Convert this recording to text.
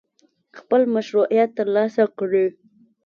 خپل مشروعیت ترلاسه کړي.